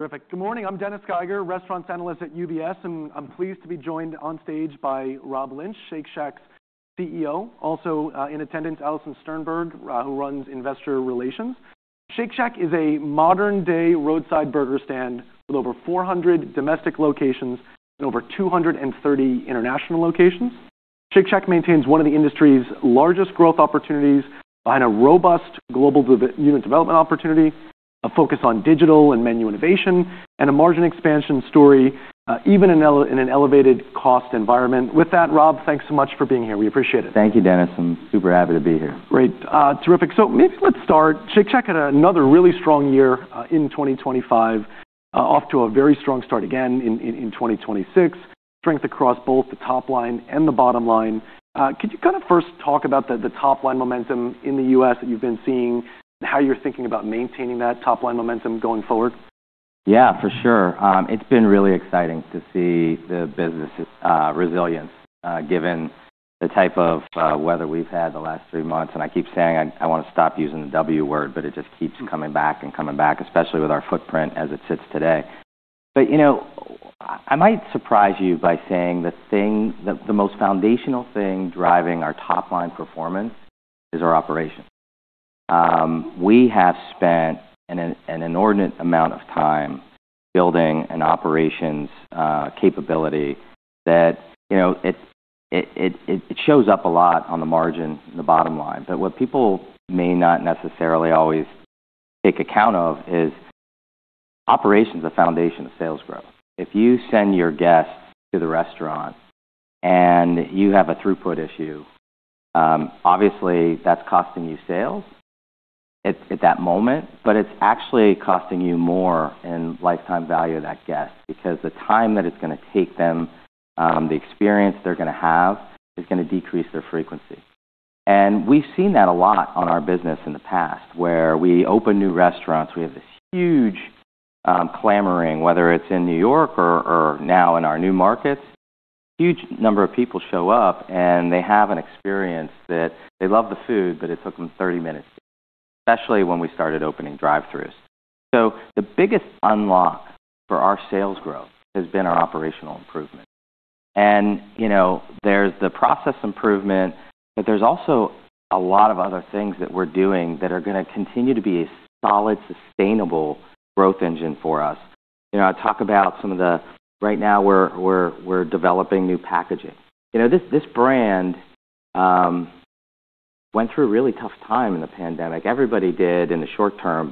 Terrific. Good morning. I'm Dennis Geiger, Restaurants Analyst at UBS, and I'm pleased to be joined on stage by Rob Lynch, Shake Shack's CEO. Also, in attendance, Alison Sternberg, who runs investor relations. Shake Shack is a modern-day roadside burger stand with over 400 domestic locations and over 230 international locations. Shake Shack maintains one of the industry's largest growth opportunities behind a robust global unit development opportunity, a focus on digital and menu innovation, and a margin expansion story, even in an elevated cost environment. With that, Rob, thanks so much for being here. We appreciate it. Thank you, Dennis. I'm super happy to be here. Great. Terrific. Let's start. Shake Shack had another really strong year in 2025, off to a very strong start again in 2026. Strength across both the top line and the bottom line. Could you kinda first talk about the top line momentum in the U.S. that you've been seeing and how you're thinking about maintaining that top line momentum going forward? Yeah, for sure. It's been really exciting to see the business's resilience, given the type of weather we've had the last three months. I keep saying I wanna stop using the W word, but it just keeps coming back and coming back, especially with our footprint as it sits today. You know, I might surprise you by saying the most foundational thing driving our top line performance is our operations. We have spent an inordinate amount of time building an operations capability that, you know, it shows up a lot on the margin, the bottom line. What people may not necessarily always take account of is operations are the foundation of sales growth. If you send your guests to the restaurant and you have a throughput issue, obviously that's costing you sales at that moment, but it's actually costing you more in lifetime value of that guest because the time that it's gonna take them, the experience they're gonna have is gonna decrease their frequency. We've seen that a lot on our business in the past, where we open new restaurants, we have this huge clamoring, whether it's in New York or now in our new markets. Huge number of people show up, and they have an experience that they love the food, but it took them 30 minutes, especially when we started opening drive-throughs. The biggest unlock for our sales growth has been our operational improvement. You know, there's the process improvement, but there's also a lot of other things that we're doing that are gonna continue to be a solid, sustainable growth engine for us. You know, I talk about some of the right now we're developing new packaging. You know, this brand went through a really tough time in the pandemic. Everybody did in the short term.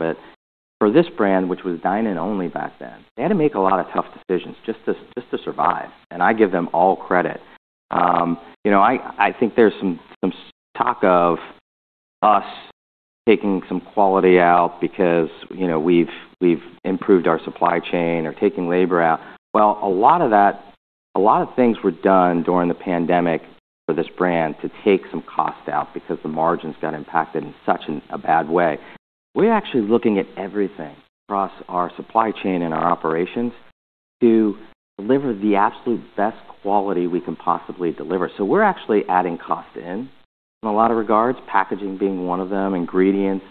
For this brand, which was dine-in only back then, they had to make a lot of tough decisions just to survive. I give them all credit. I think there's some talk of us taking some quality out because, you know, we've improved our supply chain or taking labor out. Well, a lot of that, a lot of things were done during the pandemic for this brand to take some cost out because the margins got impacted in such a bad way. We're actually looking at everything across our supply chain and our operations to deliver the absolute best quality we can possibly deliver. We're actually adding cost in a lot of regards, packaging being one of them, ingredients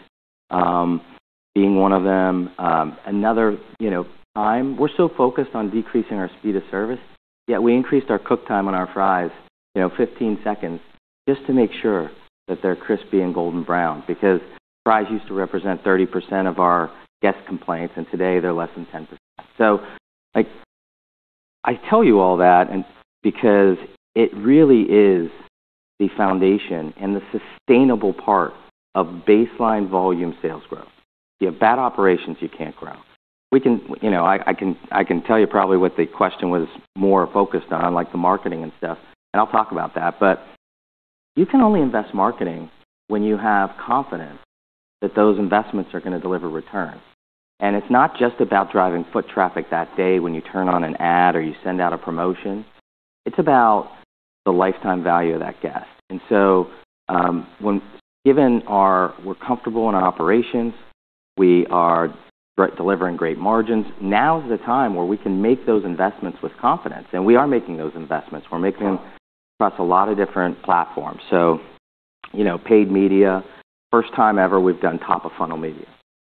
being one of them. Another, you know, time. We're so focused on decreasing our speed of service, yet we increased our cook time on our fries, you know, 15 seconds just to make sure that they're crispy and golden brown because fries used to represent 30% of our guest complaints, and today they're less than 10%. I tell you all that and because it really is the foundation and the sustainable part of baseline volume sales growth. You have bad operations, you can't grow. You know, I can tell you probably what the question was more focused on, like the marketing and stuff, and I'll talk about that. You can only invest in marketing when you have confidence that those investments are gonna deliver returns. It's not just about driving foot traffic that day when you turn on an ad or you send out a promotion. It's about the lifetime value of that guest. We're comfortable in our operations, we are delivering great margins. Now is the time where we can make those investments with confidence, and we are making those investments. We're making them across a lot of different platforms. You know, paid media, first time ever we've done top-of-funnel media.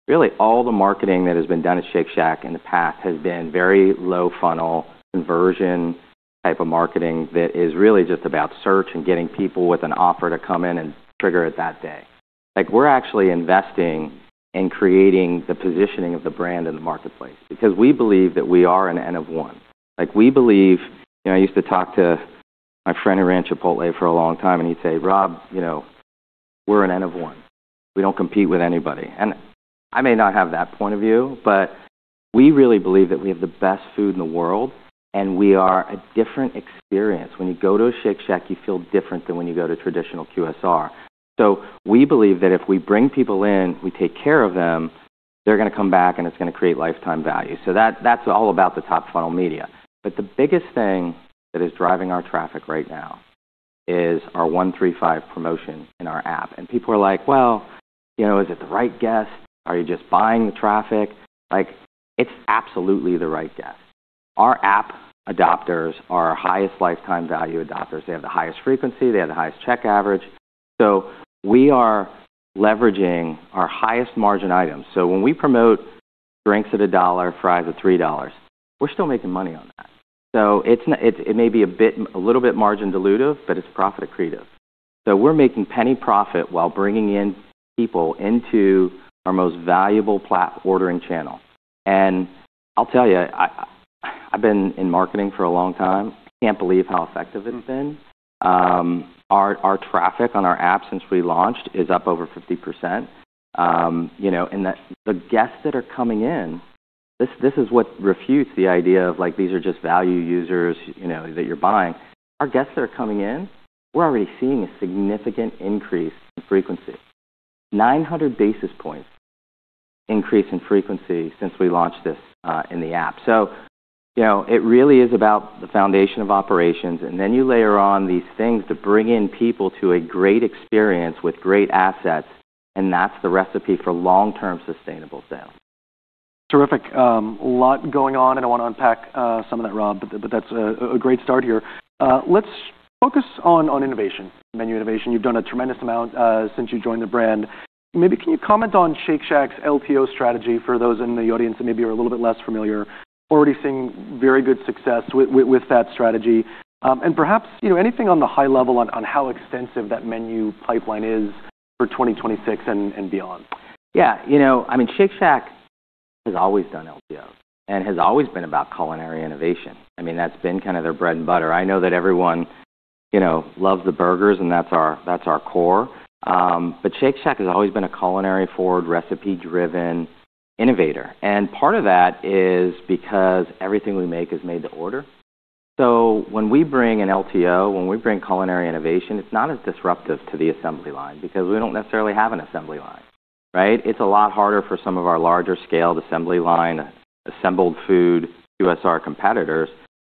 Really, all the marketing that has been done at Shake Shack in the past has been very low-funnel conversion type of marketing that is really just about search and getting people with an offer to come in and trigger it that day. Like, we're actually investing in creating the positioning of the brand in the marketplace because we believe that we are an N of one. Like, we believe you know, I used to talk to my friend who ran Chipotle for a long time, and he'd say, "Rob, you know, we're an N of one. We don't compete with anybody." I may not have that point of view, but we really believe that we have the best food in the world, and we are a different experience. When you go to a Shake Shack, you feel different than when you go to traditional QSR. We believe that if we bring people in, we take care of them, they're gonna come back, and it's gonna create lifetime value. That, that's all about the top-funnel media. The biggest thing that is driving our traffic right now is our one-three-five promotion in our app. People are like, "Well, you know, is it the right guest? Are you just buying the traffic?" Like, it's absolutely the right guest. Our app adopters are our highest lifetime value adopters. They have the highest frequency, they have the highest check average. We are leveraging our highest margin items. When we promote drinks at $1, fries at $3, we're still making money on that. It may be a little bit margin dilutive, but it's profit accretive. We're making penny profit while bringing in people into our most valuable ordering channel. I'll tell you, I've been in marketing for a long time. Can't believe how effective it's been. Our traffic on our app since we launched is up over 50%. You know, the guests that are coming in, this is what refutes the idea of like these are just value users, you know, that you're buying. Our guests that are coming in, we're already seeing a significant increase in frequency. 900 basis points increase in frequency since we launched this in the app. you know, it really is about the foundation of operations, and then you layer on these things to bring in people to a great experience with great assets, and that's the recipe for long-term sustainable sales. Terrific. A lot going on, and I wanna unpack some of that, Rob, but that's a great start here. Let's focus on innovation, menu innovation. You've done a tremendous amount since you joined the brand. Maybe can you comment on Shake Shack's LTO strategy for those in the audience that maybe are a little bit less familiar, already seeing very good success with that strategy. Perhaps, you know, anything on the high level on how extensive that menu pipeline is for 2026 and beyond. Yeah. You know, I mean, Shake Shack has always done LTOs and has always been about culinary innovation. I mean, that's been kind of their bread and butter. I know that everyone, you know, loves the burgers, and that's our core. But Shake Shack has always been a culinary-forward, recipe-driven innovator. Part of that is because everything we make is made to order. When we bring an LTO, when we bring culinary innovation, it's not as disruptive to the assembly line because we don't necessarily have an assembly line, right? It's a lot harder for some of our larger-scaled assembly line, assembled food, QSR competitors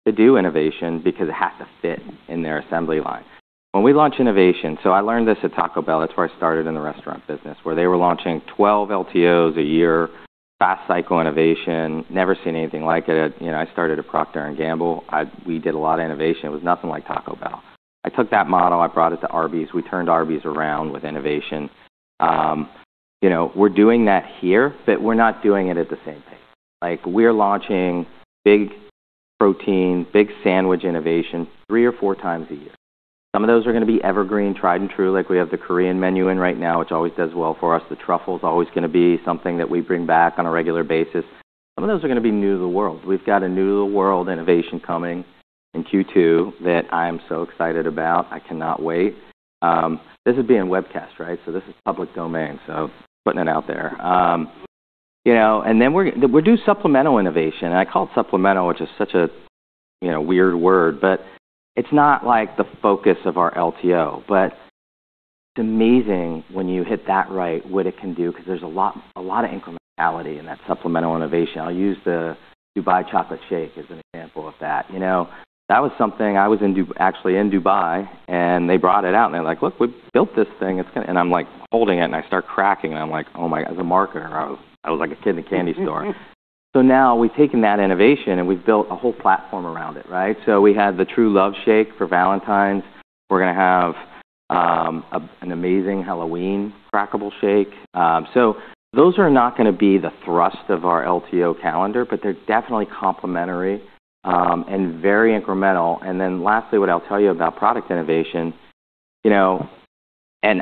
to do innovation because it has to fit in their assembly line. When we launch innovation, I learned this at Taco Bell. That's where I started in the restaurant business, where they were launching 12 LTOs a year, fast cycle innovation. Never seen anything like it. You know, I started at Procter & Gamble. We did a lot of innovation. It was nothing like Taco Bell. I took that model, I brought it to Arby's. We turned Arby's around with innovation. You know, we're doing that here, but we're not doing it at the same pace. Like, we're launching big protein, big sandwich innovation three or four times a year. Some of those are gonna be evergreen, tried and true, like we have the Korean menu in right now, which always does well for us. The truffle's always gonna be something that we bring back on a regular basis. Some of those are gonna be new to the world. We've got a new-to-the-world innovation coming in Q2 that I am so excited about. I cannot wait. This would be in webcast, right? So this is public domain, so putting it out there. We do supplemental innovation. I call it supplemental, which is such a weird word, but it's not like the focus of our LTO. It's amazing when you hit that right what it can do because there's a lot of incrementality in that supplemental innovation. I'll use the Dubai chocolate shake as an example of that. That was something. I was actually in Dubai, and they brought it out, and they're like, "Look, we've built this thing. It's kinda." I'm like holding it, and I start cracking, and I'm like, oh my. As a marketer, I was like a kid in a candy store. Now we've taken that innovation, and we've built a whole platform around it, right? We have the True Love Shake for Valentine's. We're gonna have an amazing Halloween crackable shake. Those are not gonna be the thrust of our LTO calendar, but they're definitely complementary, and very incremental. Then lastly, what I'll tell you about product innovation, you know.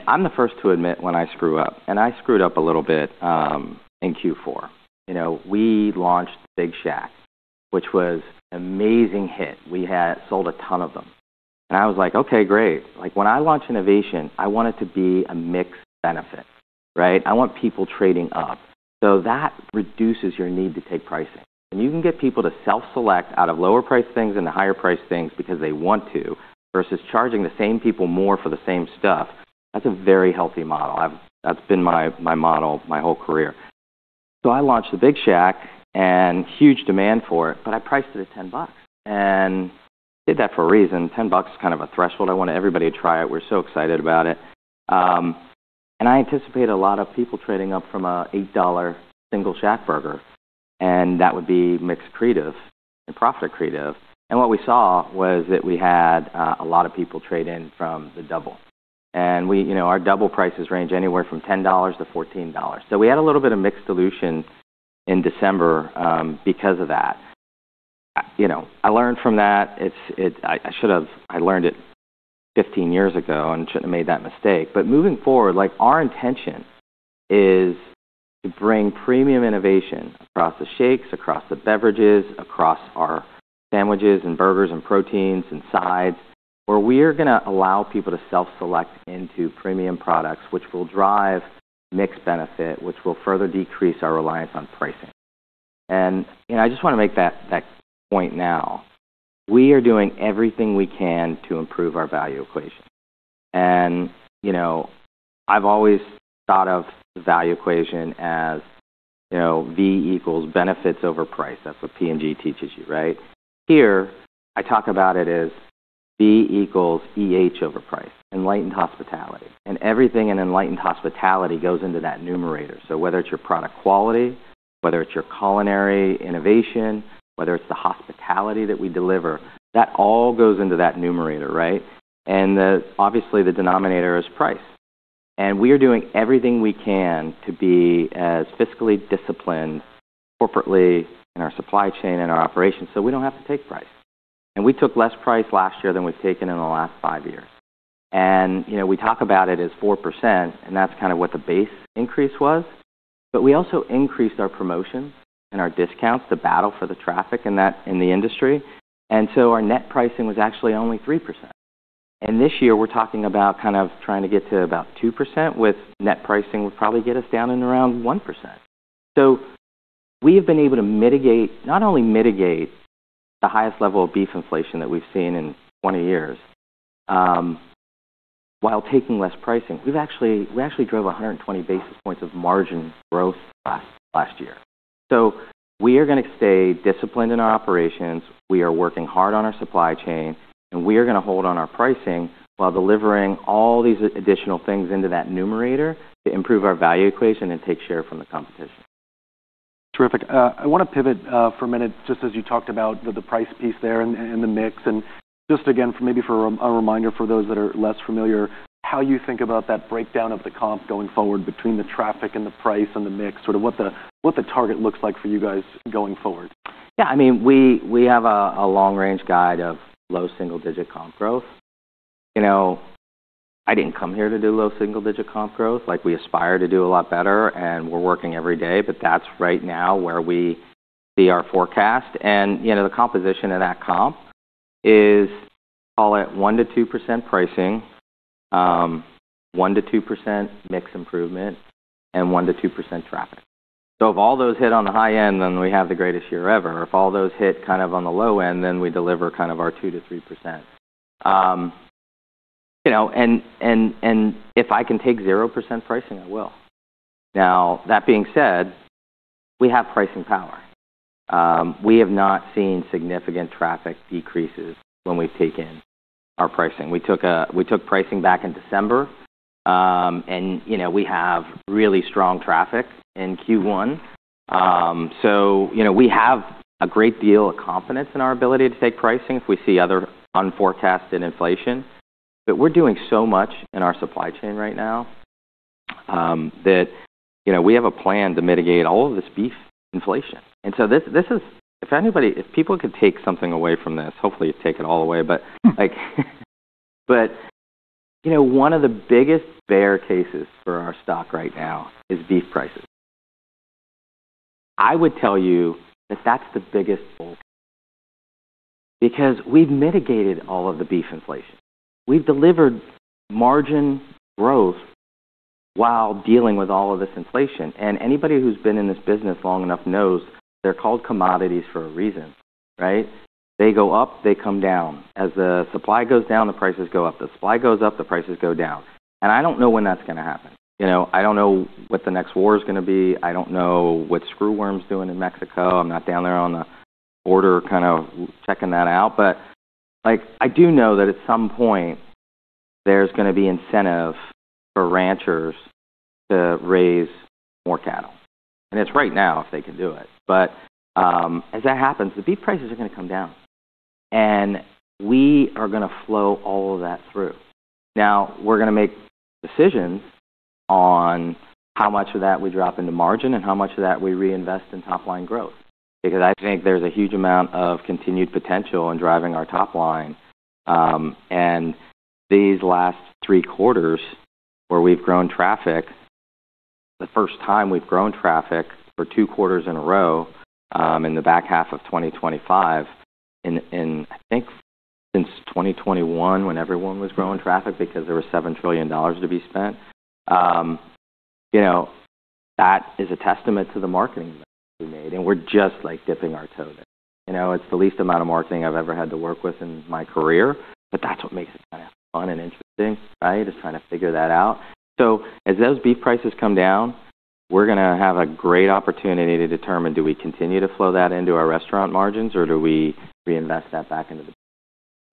I'm the first to admit when I screw up, and I screwed up a little bit in Q4. You know, we launched Big Shack, which was amazing hit. We had sold a ton of them. I was like, "Okay, great." Like, when I launch innovation, I want it to be a mixed benefit, right? I want people trading up. That reduces your need to take pricing. When you can get people to self-select out of lower priced things into higher priced things because they want to versus charging the same people more for the same stuff, that's a very healthy model. That's been my model my whole career. I launched the Big Shack and huge demand for it, but I priced it at $10 and did that for a reason. $10 is kind of a threshold. I wanted everybody to try it. We're so excited about it. I anticipate a lot of people trading up from an $8 single ShackBurger, and that would be mix accretive and profit accretive. What we saw was that we had a lot of people trade in from the Double. We, you know, our Double prices range anywhere from $10 to $14. So we had a little bit of mix dilution in December because of that. You know, I learned from that. I should have learned it 15 years ago and shouldn't have made that mistake. Moving forward, like, our intention is to bring premium innovation across the shakes, across the beverages, across our sandwiches and burgers and proteins and sides, where we're gonna allow people to self-select into premium products, which will drive mix benefit, which will further decrease our reliance on pricing. You know, I just wanna make that point now. We are doing everything we can to improve our value equation. You know, I've always thought of the value equation as, you know, V equals benefits over price. That's what P&G teaches you, right? Here, I talk about it as value equals EH over price, enlightened hospitality. Everything in enlightened hospitality goes into that numerator. Whether it's your product quality, whether it's your culinary innovation, whether it's the hospitality that we deliver, that all goes into that numerator, right? Obviously, the denominator is price. We are doing everything we can to be as fiscally disciplined corporately in our supply chain and our operations so we don't have to take price. We took less price last year than we've taken in the last five years. You know, we talk about it as 4%, and that's kind of what the base increase was. We also increased our promotions and our discounts, the battle for the traffic in that industry. Our net pricing was actually only 3%. This year, we're talking about kind of trying to get to about 2% with net pricing would probably get us down and around 1%. We have been able to mitigate, not only mitigate the highest level of beef inflation that we've seen in 20 years, while taking less pricing. We've actually drove 120 basis points of margin growth last year. We are gonna stay disciplined in our operations. We are working hard on our supply chain, and we are gonna hold on our pricing while delivering all these additional things into that numerator to improve our value equation and take share from the competition. Terrific. I want to pivot for a minute, just as you talked about the price piece there and the mix. Just again, maybe for a reminder for those that are less familiar, how you think about that breakdown of the comp going forward between the traffic and the price and the mix, sort of what the target looks like for you guys going forward. Yeah, I mean, we have a long-range guide of low single-digit comp growth. You know, I didn't come here to do low single-digit comp growth. Like, we aspire to do a lot better, and we're working every day, but that's right now where we see our forecast. You know, the composition of that comp is, call it 1%-2% pricing, 1%-2% mix improvement, and 1%-2% traffic. So if all those hit on the high end, then we have the greatest year ever. If all those hit kind of on the low end, then we deliver kind of our 2%-3%. You know, if I can take 0% pricing, I will. Now, that being said, we have pricing power. We have not seen significant traffic decreases when we've taken our pricing. We took pricing back in December, and you know, we have really strong traffic in Q1. You know, we have a great deal of confidence in our ability to take pricing if we see other unforecasted inflation. We're doing so much in our supply chain right now that you know, we have a plan to mitigate all of this beef inflation. If people could take something away from this, hopefully you take it all away. You know, one of the biggest bear cases for our stock right now is beef prices. I would tell you that that's the biggest bull because we've mitigated all of the beef inflation. We've delivered margin growth while dealing with all of this inflation. Anybody who's been in this business long enough knows they're called commodities for a reason, right? They go up, they come down. As the supply goes down, the prices go up. The supply goes up, the prices go down. I don't know when that's gonna happen. You know, I don't know what the next war is gonna be. I don't know what screwworm's doing in Mexico. I'm not down there on the border kind of checking that out. Like, I do know that at some point, there's gonna be incentive for ranchers to raise more cattle. It's right now if they can do it. As that happens, the beef prices are gonna come down. We are gonna flow all of that through. Now, we're gonna make decisions on how much of that we drop into margin and how much of that we reinvest in top-line growth because I think there's a huge amount of continued potential in driving our top line. These last three quarters where we've grown traffic, the first time we've grown traffic for two quarters in a row, in the back half of 2025, I think since 2021 when everyone was growing traffic because there was $7 trillion to be spent. You know, that is a testament to the marketing that we made, and we're just, like, dipping our toe there. You know, it's the least amount of marketing I've ever had to work with in my career, but that's what makes it kind of fun and interesting, right, is trying to figure that out. As those beef prices come down, we're gonna have a great opportunity to determine do we continue to flow that into our restaurant margins or do we reinvest that back into the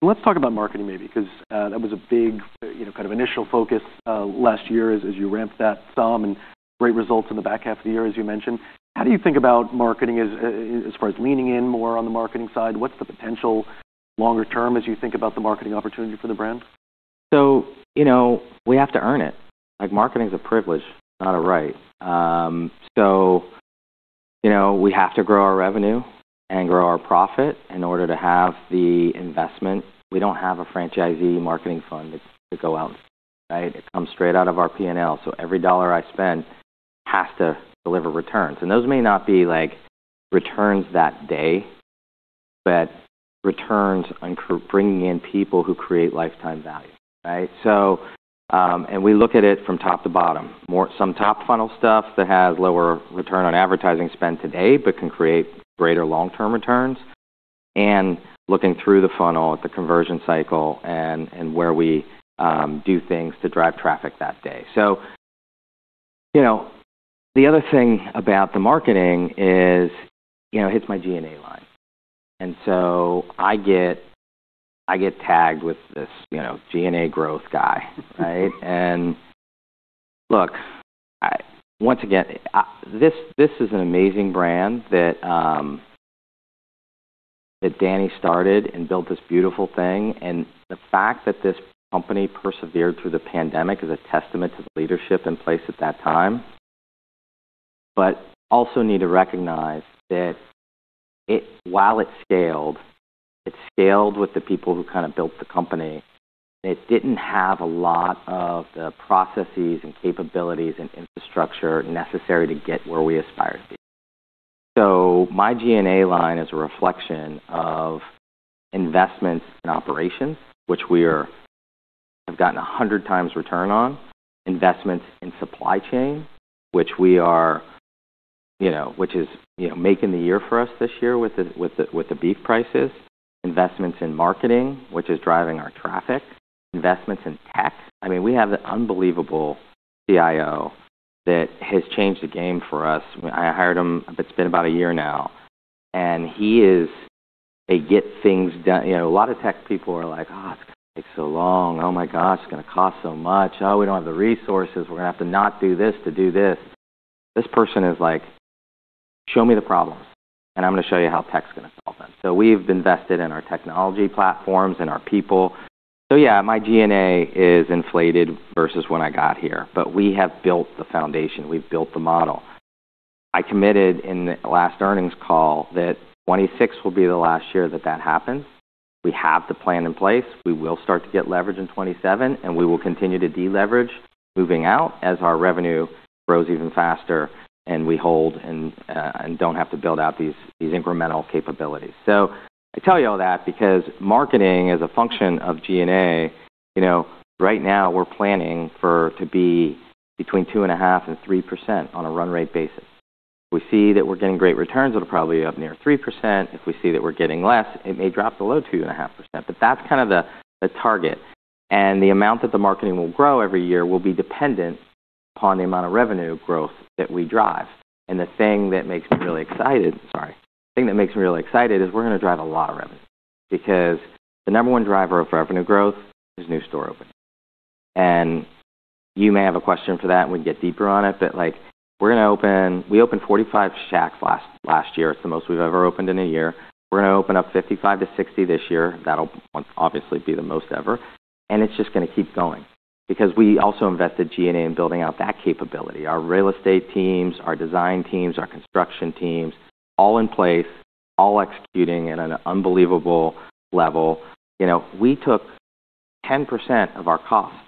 business. Let's talk about marketing maybe because that was a big, you know, kind of initial focus last year as you ramped that some and great results in the back half of the year, as you mentioned. How do you think about marketing as far as leaning in more on the marketing side? What's the potential longer term as you think about the marketing opportunity for the brand? You know, we have to earn it. Like, marketing is a privilege, not a right. You know, we have to grow our revenue and grow our profit in order to have the investment. We don't have a franchisee marketing fund to go out and spend, right? It comes straight out of our P&L. Every dollar I spend has to deliver returns. Those may not be, like, returns that day, but returns on bringing in people who create lifetime value, right? We look at it from top to bottom. Some top funnel stuff that has lower return on advertising spend today but can create greater long-term returns and looking through the funnel at the conversion cycle and where we do things to drive traffic that day. You know, the other thing about the marketing is, you know, hits my G&A line. I get tagged with this, you know, G&A growth guy, right? Look, once again, this is an amazing brand that Danny started and built this beautiful thing. The fact that this company persevered through the pandemic is a testament to the leadership in place at that time. We also need to recognize that it, while it scaled with the people who kinda built the company. It didn't have a lot of the processes and capabilities and infrastructure necessary to get where we aspire to be. My G&A line is a reflection of investments in operations, which we have gotten 100x return on, investments in supply chain, which is, you know, making the year for us this year with the beef prices, investments in marketing, which is driving our traffic, investments in tech. I mean, we have an unbelievable CIO that has changed the game for us. I hired him, it's been about a year now, and he is a get things done. You know, a lot of tech people are like, "Oh, it's gonna take so long. Oh my gosh, it's gonna cost so much. Oh, we don't have the resources. We're gonna have to not do this to do this." This person is like, "Show me the problems, and I'm gonna show you how tech's gonna solve them." We've invested in our technology platforms and our people. Yeah, my G&A is inflated versus when I got here, but we have built the foundation, we've built the model. I committed in the last earnings call that 2026 will be the last year that that happens. We have the plan in place. We will start to get leverage in 2027, and we will continue to deleverage moving out as our revenue grows even faster and we hold and don't have to build out these incremental capabilities. I tell you all that because marketing is a function of G&A. You know, right now we're planning for it to be between 2.5% and 3% on a run rate basis. If we see that we're getting great returns, it'll probably be up near 3%. If we see that we're getting less, it may drop below 2.5%. That's kind of the target. The amount that the marketing will grow every year will be dependent upon the amount of revenue growth that we drive. The thing that makes me really excited, sorry, the thing that makes me really excited is we're gonna drive a lot of revenue because the number one driver of revenue growth is new store openings. You may have a question for that, and we can get deeper on it, but, like, we're gonna open. We opened 45 Shacks last year. It's the most we've ever opened in a year. We're gonna open up 55-60 this year. That'll obviously be the most ever. It's just gonna keep going because we also invested G&A in building out that capability. Our real estate teams, our design teams, our construction teams, all in place, all executing at an unbelievable level. You know, we took 10% of our costs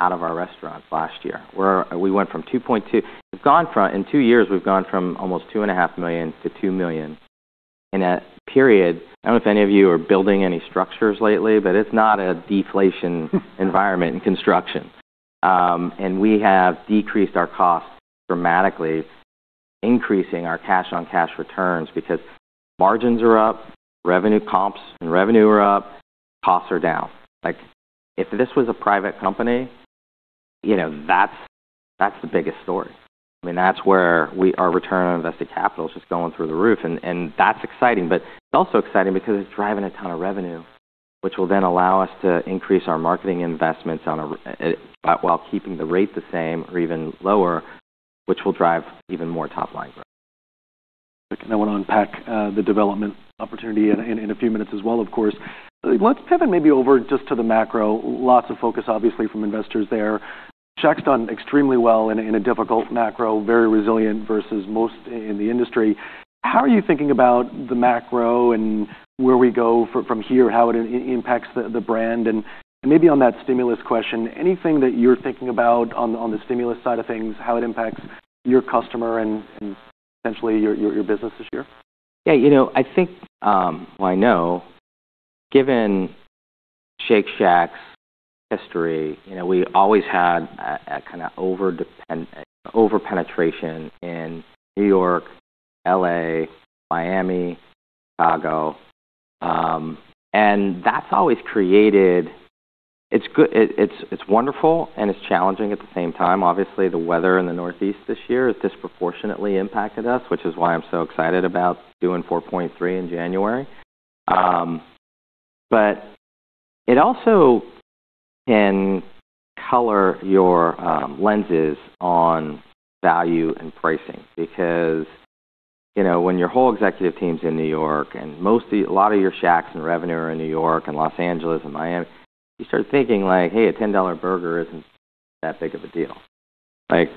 out of our restaurants last year. In two years, we've gone from almost $2.5 million to $2 million in a period. I don't know if any of you are building any structures lately, but it's not a deflation environment in construction. We have decreased our costs dramatically, increasing our cash-on-cash returns because margins are up, revenue comps and revenue are up, costs are down. Like, if this was a private company, you know, that's the biggest story. I mean, that's where our return on invested capital is just going through the roof, and that's exciting. It's also exciting because it's driving a ton of revenue, which will then allow us to increase our marketing investments while keeping the rate the same or even lower, which will drive even more top-line growth. I want to unpack the development opportunity in a few minutes as well, of course. Let's pivot maybe over just to the macro. Lots of focus, obviously, from investors there. Shack's done extremely well in a difficult macro, very resilient versus most in the industry. How are you thinking about the macro and where we go from here, how it impacts the brand? Maybe on that stimulus question, anything that you're thinking about on the stimulus side of things, how it impacts your customer and potentially your business this year? Yeah, you know, I think, well, I know given Shake Shack's history, you know, we always had a kinda over-penetration in New York, L.A., Miami, Chicago, and that's always created. It's good. It's wonderful, and it's challenging at the same time. Obviously, the weather in the Northeast this year has disproportionately impacted us, which is why I'm so excited about doing 4.3 in January. It also can color your lenses on value and pricing because, you know, when your whole executive team's in New York and mostly a lot of your Shacks and revenue are in New York and Los Angeles and Miami, you start thinking like, "Hey, a $10 burger isn't that big of a deal." Like,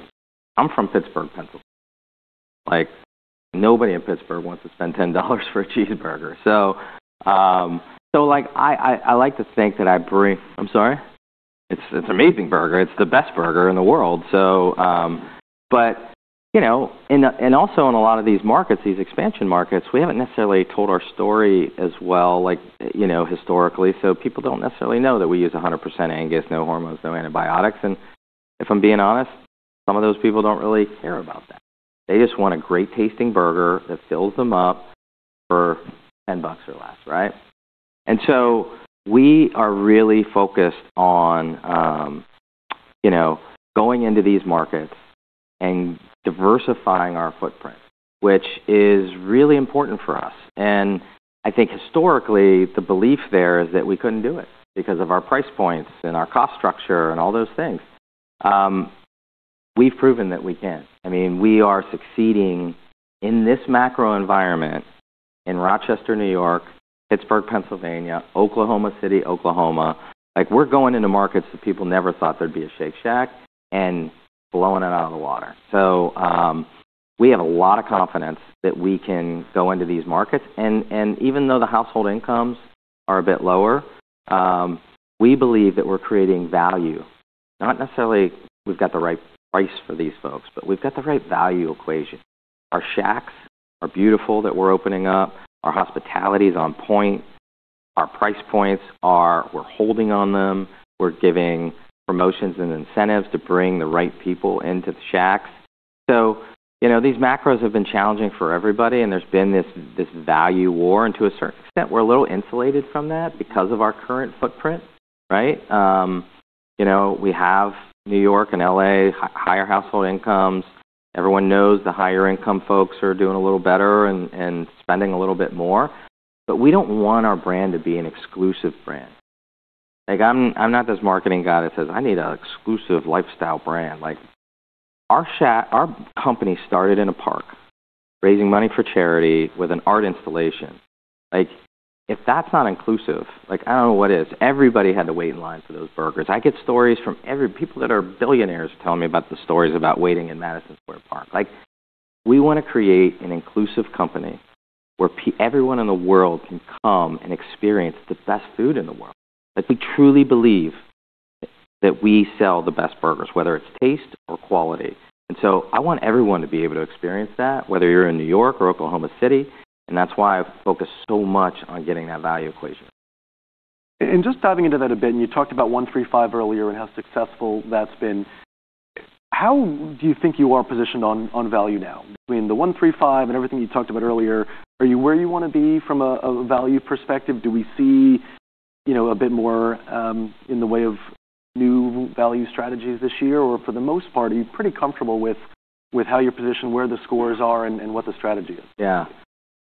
I'm from Pittsburgh, Pennsylvania. Like, nobody in Pittsburgh wants to spend $10 for a cheeseburger. I'm sorry? It's amazing burger. It's the best burger in the world. You know, and also in a lot of these markets, these expansion markets, we haven't necessarily told our story as well, like, you know, historically. People don't necessarily know that we use 100% Angus, no hormones, no antibiotics. If I'm being honest, some of those people don't really care about that. They just want a great tasting burger that fills them up for $10 or less, right? We are really focused on, you know, going into these markets and diversifying our footprint, which is really important for us. I think historically, the belief there is that we couldn't do it because of our price points and our cost structure and all those things. We've proven that we can. I mean, we are succeeding in this macro environment in Rochester, New York, Pittsburgh, Pennsylvania, Oklahoma City, Oklahoma. Like, we're going into markets that people never thought there'd be a Shake Shack and blowing it out of the water. We have a lot of confidence that we can go into these markets and even though the household incomes are a bit lower, we believe that we're creating value. Not necessarily we've got the right price for these folks, but we've got the right value equation. Our Shacks are beautiful that we're opening up. Our hospitality is on point. Our price points are. We're holding on them. We're giving promotions and incentives to bring the right people into the Shacks. You know, these macros have been challenging for everybody, and there's been this value war, and to a certain extent, we're a little insulated from that because of our current footprint, right? You know, we have New York and L.A., higher household incomes. Everyone knows the higher income folks are doing a little better and spending a little bit more. We don't want our brand to be an exclusive brand. Like, I'm not this marketing guy that says, "I need an exclusive lifestyle brand." Like, our company started in a park, raising money for charity with an art installation. Like, if that's not inclusive, like, I don't know what is. Everybody had to wait in line for those burgers. I get stories from people that are billionaires tell me about the stories about waiting in Madison Square Park. Like, we wanna create an inclusive company where everyone in the world can come and experience the best food in the world. Like, we truly believe that we sell the best burgers, whether it's taste or quality. I want everyone to be able to experience that, whether you're in New York or Oklahoma City, and that's why I focus so much on getting that value equation. Just diving into that a bit, you talked about one-three-five earlier and how successful that's been. How do you think you are positioned on value now between the one-three-five and everything you talked about earlier? Are you where you wanna be from a value perspective? Do we see, you know, a bit more in the way of new value strategies this year? Or for the most part, are you pretty comfortable with how you're positioned, where the scores are, and what the strategy is?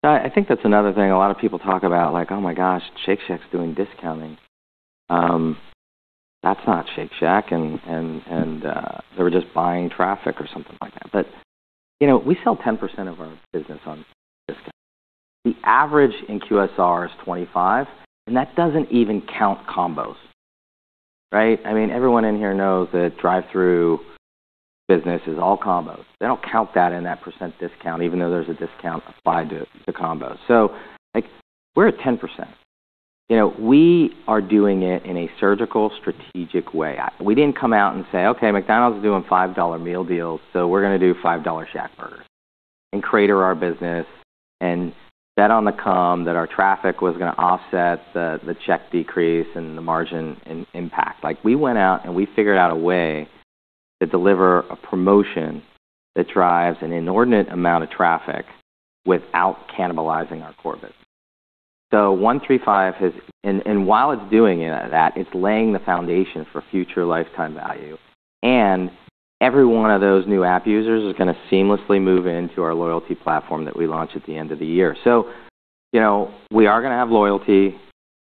I think that's another thing a lot of people talk about like, "Oh my gosh, Shake Shack's doing discounting. That's not Shake Shack and they were just buying traffic or something like that." You know, we sell 10% of our business on discount. The average in QSR is 25%, and that doesn't even count combos, right? I mean, everyone in here knows that drive-through business is all combos. They don't count that in that percent discount, even though there's a discount applied to combos. Like, we're at 10%. You know, we are doing it in a surgical, strategic way. We didn't come out and say, "Okay, McDonald's is doing $5 meal deals, so we're gonna do $5 ShackBurgers," and crater our business and bet on the come that our traffic was gonna offset the check decrease and the margin impact. Like, we went out, and we figured out a way to deliver a promotion that drives an inordinate amount of traffic without cannibalizing our core business. One-three-five has. And while it's doing that, it's laying the foundation for future lifetime value, and every one of those new app users is gonna seamlessly move into our loyalty platform that we launch at the end of the year. You know, we are gonna have loyalty.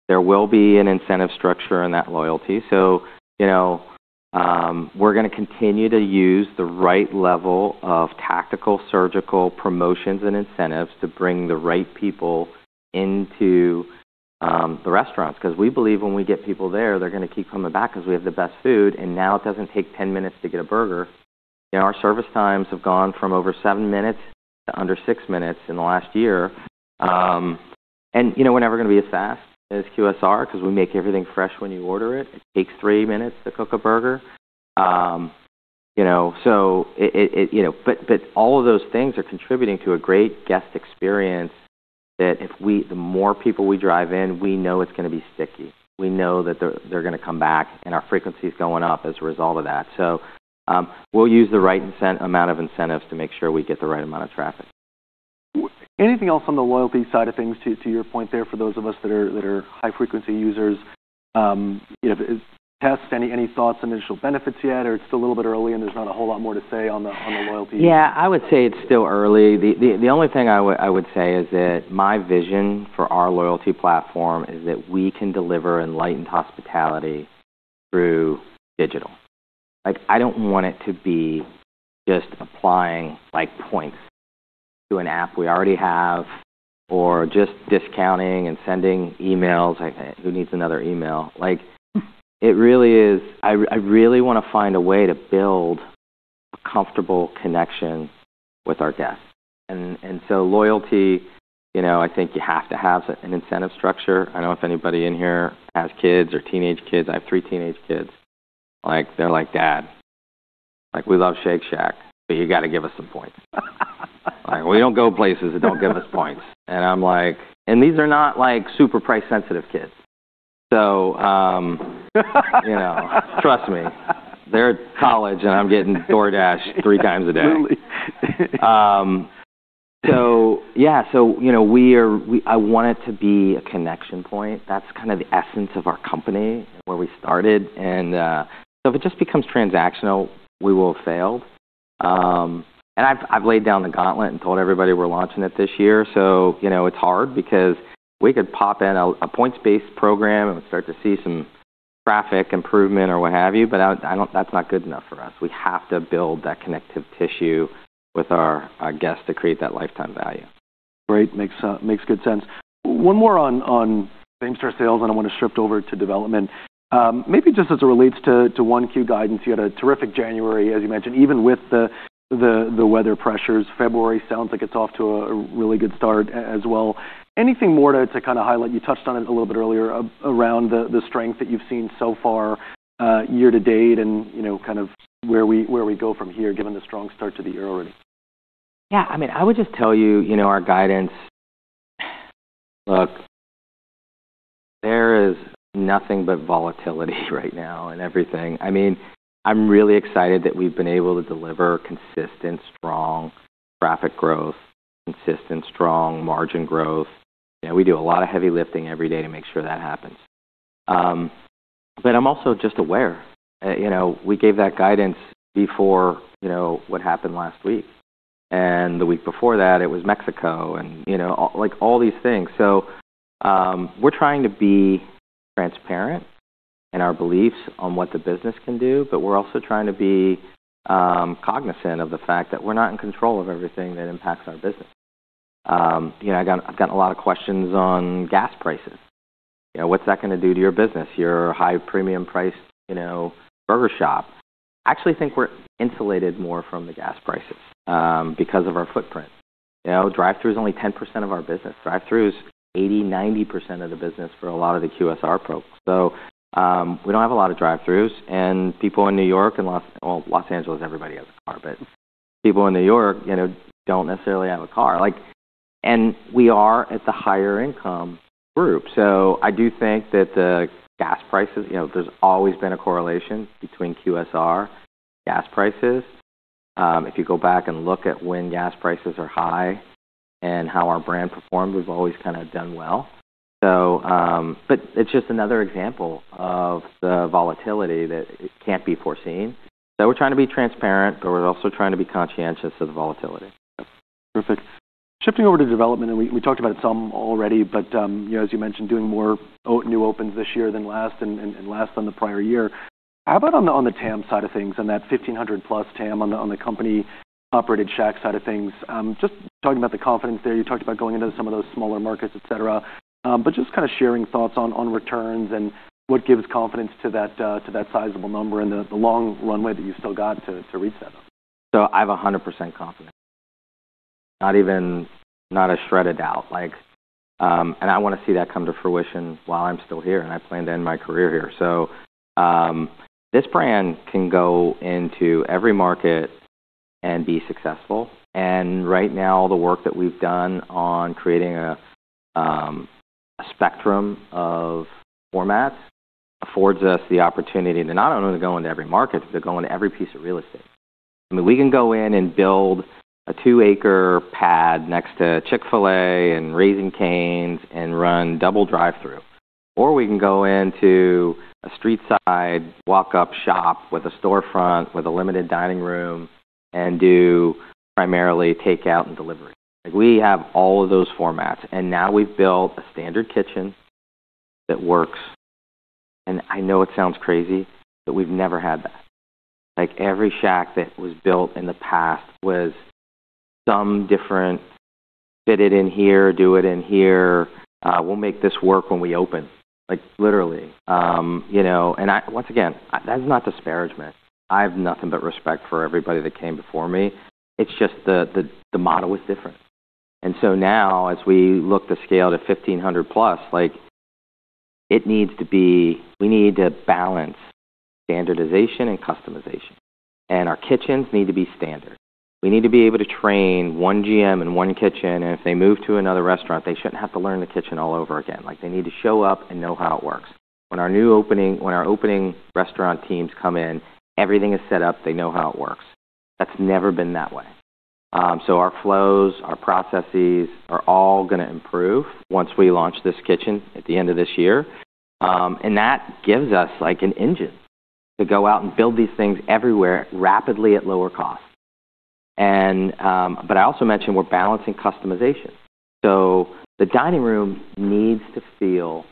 There will be an incentive structure in that loyalty. You know, we're gonna continue to use the right level of tactical, surgical promotions and incentives to bring the right people into the restaurants 'cause we believe when we get people there, they're gonna keep coming back 'cause we have the best food, and now it doesn't take 10 minutes to get a burger. You know, our service times have gone from over seven minutes to under six minutes in the last year. You know, we're never gonna be as fast as QSR 'cause we make everything fresh when you order it. It takes three minutes to cook a burger. You know, but all of those things are contributing to a great guest experience that the more people we drive in, we know it's gonna be sticky. We know that they're gonna come back, and our frequency is going up as a result of that. We'll use the right amount of incentives to make sure we get the right amount of traffic. Anything else on the loyalty side of things to your point there for those of us that are high-frequency users? You know, the test, any thoughts on initial benefits yet, or it's still a little bit early, and there's not a whole lot more to say on the loyalty? Yeah. I would say it's still early. The only thing I would say is that my vision for our loyalty platform is that we can deliver enlightened hospitality through digital. Like, I don't want it to be just applying, like, points to an app we already have or just discounting and sending emails. Like, who needs another email? Like, it really is I really wanna find a way to build a comfortable connection with our guests. Loyalty, you know, I think you have to have an incentive structure. I don't know if anybody in here has kids or teenage kids. I have three teenage kids. Like, they're like, "Dad," like, "we love Shake Shack, but you gotta give us some points." Like, "We don't go places that don't give us points." And I'm like. These are not, like, super price-sensitive kids. So, you know, trust me, they're at college, and I'm getting DoorDash three times a day. Absolutely. I want it to be a connection point. That's kind of the essence of our company and where we started. If it just becomes transactional, we will have failed. I've laid down the gauntlet and told everybody we're launching it this year. You know, it's hard because we could pop in a points-based program and start to see some traffic improvement or what have you, but that's not good enough for us. We have to build that connective tissue with our guests to create that lifetime value. Great. Makes good sense. One more on same-store sales, and I wanna shift over to development. Maybe just as it relates to 1Q guidance. You had a terrific January, as you mentioned, even with the weather pressures. February sounds like it's off to a really good start as well. Anything more to kinda highlight? You touched on it a little bit earlier around the strength that you've seen so far, year to date and, you know, kind of where we go from here, given the strong start to the year already. Yeah. I mean, I would just tell you know, our guidance. Look, there is nothing but volatility right now in everything. I mean, I'm really excited that we've been able to deliver consistent, strong traffic growth, consistent, strong margin growth. You know, we do a lot of heavy lifting every day to make sure that happens. I'm also just aware, you know, we gave that guidance before, you know, what happened last week. The week before that, it was Mexico and, you know, all like, all these things. We're trying to be transparent in our beliefs on what the business can do, but we're also trying to be cognizant of the fact that we're not in control of everything that impacts our business. You know, I've gotten a lot of questions on gas prices. You know, "What's that gonna do to your business? You're a high premium price, you know, burger shop." I actually think we're insulated more from the gas prices because of our footprint. You know, drive-thru is only 10% of our business. Drive-thru is 80%-90% of the business for a lot of the QSR folks. We don't have a lot of drive-thrus. People in New York and, well, Los Angeles, everybody has a car, but people in New York, you know, don't necessarily have a car. Like we are at the higher income group. I do think that the gas prices, you know, there's always been a correlation between QSR and gas prices. If you go back and look at when gas prices are high and how our brand performed, we've always kinda done well. but it's just another example of the volatility that can't be foreseen. We're trying to be transparent, but we're also trying to be conscientious of the volatility. Perfect. Shifting over to development, and we talked about it some already, but you know, as you mentioned, doing more new opens this year than last and last on the prior year. How about on the TAM side of things and that 1,500+ TAM on the company-operated Shack side of things? Just talking about the confidence there. You talked about going into some of those smaller markets, et cetera. Just kinda sharing thoughts on returns and what gives confidence to that sizable number and the long runway that you've still got to reach that. I have 100% confidence. Not a shred of doubt. Like, I wanna see that come to fruition while I'm still here, and I plan to end my career here. This brand can go into every market and be successful. Right now, the work that we've done on creating a spectrum of formats affords us the opportunity to not only go into every market, but to go into every piece of real estate. I mean, we can go in and build a 2-acre pad next to Chick-fil-A and Raising Cane's and run double drive-thru. Or we can go into a street-side walk-up shop with a storefront, with a limited dining room, and do primarily takeout and delivery. Like, we have all of those formats, and now we've built a standard kitchen that works. I know it sounds crazy, but we've never had that. Like, every Shack that was built in the past was some different fit it in here, do it in here, we'll make this work when we open. Like, literally. You know, once again, that is not disparagement. I have nothing but respect for everybody that came before me. It's just the model was different. Now as we look to scale to 1,500+, like, it needs to be. We need to balance standardization and customization, and our kitchens need to be standard. We need to be able to train one GM in one kitchen, and if they move to another restaurant, they shouldn't have to learn the kitchen all over again. Like, they need to show up and know how it works. When our opening restaurant teams come in, everything is set up. They know how it works. That's never been that way. Our flows, our processes are all gonna improve once we launch this kitchen at the end of this year. That gives us, like, an engine to go out and build these things everywhere rapidly at lower cost. I also mentioned we're balancing customization. The dining room needs to feel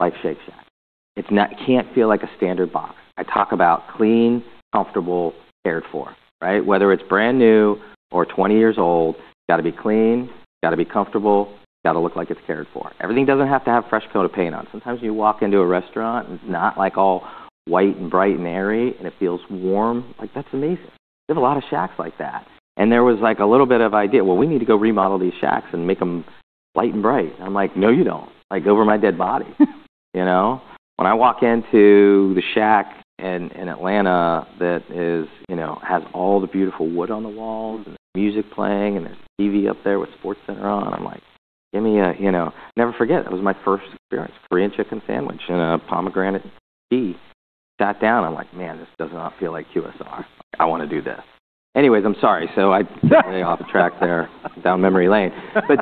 like Shake Shack. It's not. It can't feel like a standard box. I talk about clean, comfortable, cared for, right? Whether it's brand new or 20 years old, it's gotta be clean, it's gotta be comfortable, it's gotta look like it's cared for. Everything doesn't have to have a fresh coat of paint on it. Sometimes you walk into a restaurant, and it's not, like, all white and bright and airy, and it feels warm. Like, that's amazing. We have a lot of Shacks like that. There was, like, a little bit of idea, "Well, we need to go remodel these Shacks and make them white and bright." I'm like, "No, you don't." Like, "Over my dead body." You know? When I walk into the Shack in Atlanta that is, you know, has all the beautiful wood on the walls and there's music playing and there's TV up there with SportsCenter on, I'm like, Give me a, you know. Never forget, that was my first experience. Korean-Style Fried Chick'n and a pomegranate tea. Sat down, I'm like, "Man, this does not feel like QSR. I wanna do this." Anyways, I'm sorry. I went off track there down memory lane.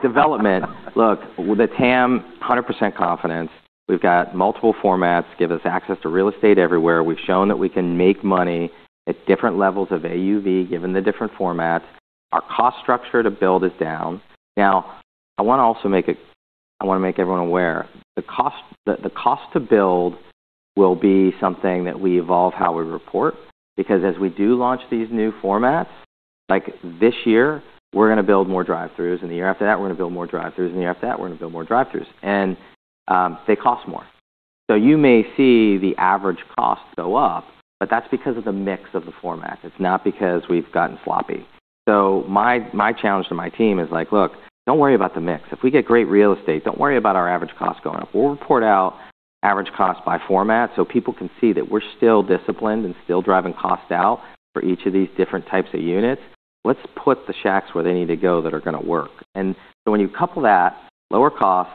Development. Look, with the TAM, 100% confidence. We've got multiple formats, give us access to real estate everywhere. We've shown that we can make money at different levels of AUV given the different formats. Our cost structure to build is down. Now, I wanna also make everyone aware, the cost to build will be something that we evolve how we report because as we do launch these new formats, like this year, we're gonna build more drive-throughs, and the year after that we're gonna build more drive-throughs, and the year after that we're gonna build more drive-throughs. They cost more. You may see the average cost go up, but that's because of the mix of the formats. It's not because we've gotten sloppy. My challenge to my team is like, "Look, don't worry about the mix. If we get great real estate, don't worry about our average cost going up. We'll report our average cost by format so people can see that we're still disciplined and still driving costs out for each of these different types of units. Let's put the Shacks where they need to go that are gonna work." When you couple that lower cost,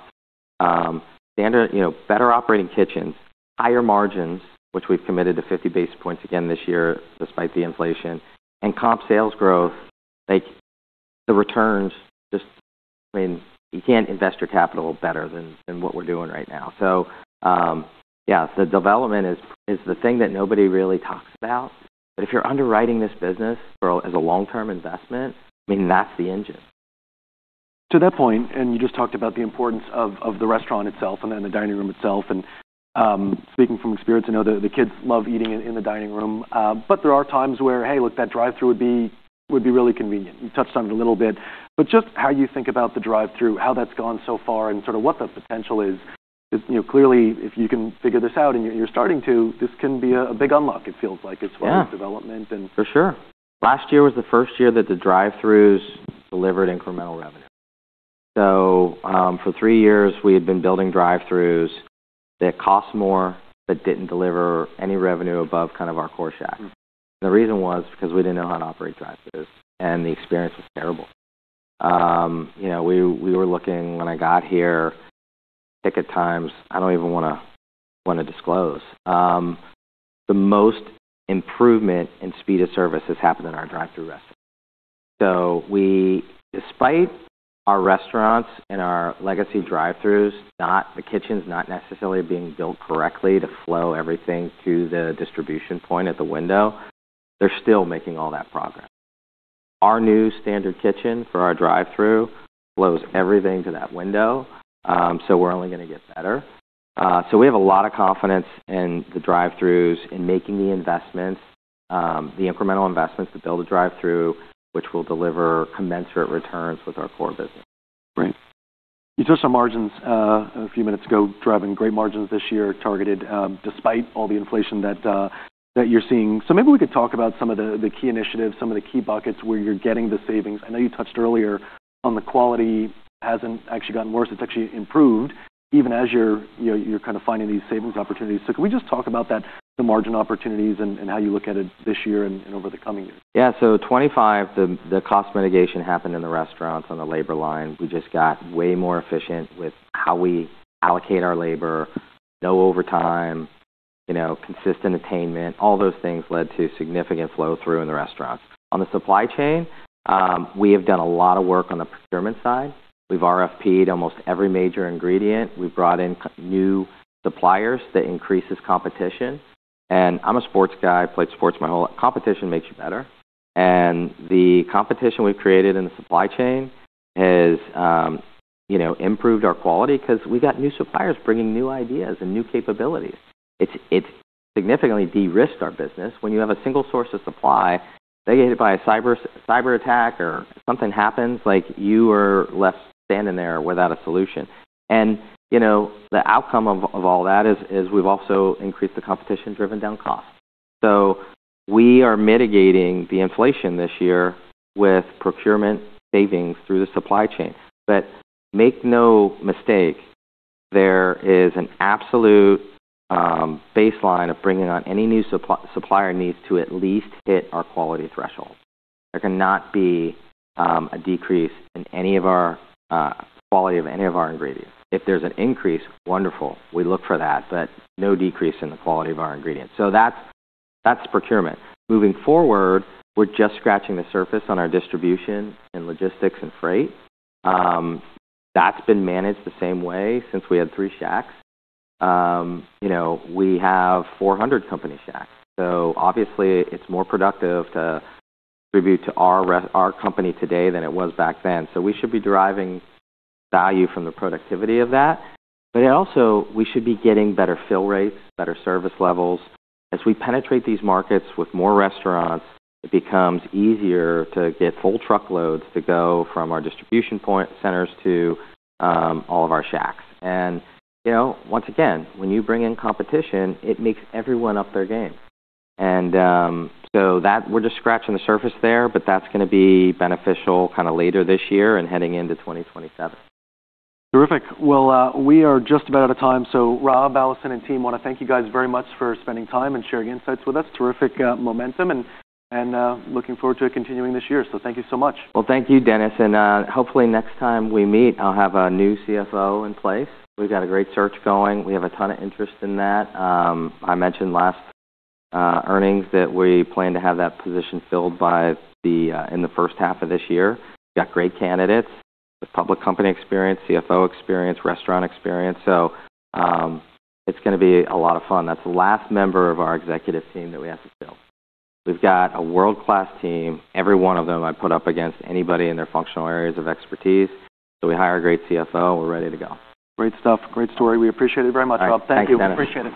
standard, you know, better operating kitchens, higher margins, which we've committed to 50 basis points again this year despite the inflation, and comp sales growth, like, the returns just I mean, you can't invest your capital better than what we're doing right now. Yeah. The development is the thing that nobody really talks about. If you're underwriting this business as a long-term investment, I mean, that's the engine. To that point, and you just talked about the importance of the restaurant itself and then the dining room itself. Speaking from experience, I know the kids love eating in the dining room. But there are times where, hey, look, that drive-through would be really convenient. You touched on it a little bit, but just how you think about the drive-through, how that's gone so far, and sort of what the potential is. Because, you know, clearly if you can figure this out, and you're starting to, this can be a big unlock. It feels like as far. Yeah As development and. For sure. Last year was the first year that the drive-throughs delivered incremental revenue. For three years we had been building drive-throughs that cost more but didn't deliver any revenue above kind of our core Shack. Mm. The reason was because we didn't know how to operate drive-throughs, and the experience was terrible. You know, we were looking, when I got here, ticket times I don't even wanna disclose. The most improvement in speed of service has happened in our drive-through restaurants. Despite our restaurants and our legacy drive-throughs, the kitchens not necessarily being built correctly to flow everything to the distribution point at the window, they're still making all that progress. Our new standard kitchen for our drive-through flows everything to that window, so we're only gonna get better. We have a lot of confidence in the drive-throughs, in making the investments, the incremental investments to build a drive-through which will deliver commensurate returns with our core business. Right. You touched on margins, a few minutes ago. Driving great margins this year targeted, despite all the inflation that you're seeing. Maybe we could talk about some of the key initiatives, some of the key buckets where you're getting the savings. I know you touched earlier on the quality hasn't actually gotten worse. It's actually improved even as you're kind of finding these savings opportunities. Can we just talk about that, the margin opportunities and how you look at it this year and over the coming years? Yeah. 2025, the cost mitigation happened in the restaurants on the labor line. We just got way more efficient with how we allocate our labor, no overtime, you know, consistent attainment. All those things led to significant flow-through in the restaurants. On the supply chain, we have done a lot of work on the procurement side. We've RFP'd almost every major ingredient. We've brought in new suppliers that increases competition. I'm a sports guy. Competition makes you better. The competition we've created in the supply chain has you know, improved our quality 'cause we got new suppliers bringing new ideas and new capabilities. It's significantly de-risked our business. When you have a single source of supply, they get hit by a cyberattack or something happens, like, you are left standing there without a solution. You know, the outcome of all that is we've also increased the competition, driven down costs. We are mitigating the inflation this year with procurement savings through the supply chain. Make no mistake, there is an absolute baseline of bringing on any new supplier needs to at least hit our quality threshold. There cannot be a decrease in any of our quality of any of our ingredients. If there's an increase, wonderful. We look for that. No decrease in the quality of our ingredients. That's procurement. Moving forward, we're just scratching the surface on our distribution and logistics and freight. That's been managed the same way since we had three Shacks. You know, we have 400 company Shacks, so obviously it's more productive to distribute to our company today than it was back then. We should be deriving value from the productivity of that. Yet also, we should be getting better fill rates, better service levels. As we penetrate these markets with more restaurants, it becomes easier to get full truckloads to go from our distribution centers to all of our Shacks. You know, once again, when you bring in competition, it makes everyone up their game. That we're just scratching the surface there, but that's gonna be beneficial kinda later this year and heading into 2027. Terrific. Well, we are just about out of time. Rob, Allison, and team, wanna thank you guys very much for spending time and sharing insights with us. Terrific, momentum and looking forward to it continuing this year. Thank you so much. Well, thank you, Dennis. Hopefully next time we meet I'll have a new CFO in place. We've got a great search going. We have a ton of interest in that. I mentioned last earnings that we plan to have that position filled by the in the first half of this year. We've got great candidates with public company experience, CFO experience, restaurant experience. It's gonna be a lot of fun. That's the last member of our executive team that we have to fill. We've got a world-class team. Every one of them I'd put up against anybody in their functional areas of expertise. We hire a great CFO, and we're ready to go. Great stuff. Great story. We appreciate it very much, Rob. All right. Thanks, Dennis. Thank you. Appreciate it.